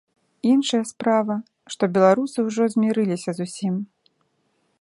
Іншая справа, што беларусы ўжо змірыліся з усім.